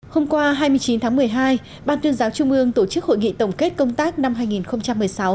hôm qua hai mươi chín tháng một mươi hai ban tuyên giáo trung ương tổ chức hội nghị tổng kết công tác năm hai nghìn một mươi sáu